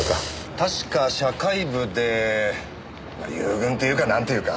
確か社会部でまあ遊軍というかなんというか。